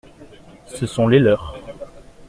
Ce sont les leurs.